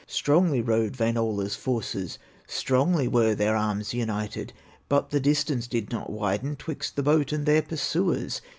Strongly rowed Wainola's forces, Strongly were their arms united; But the distance did not widen Twixt the boat and their pursuers.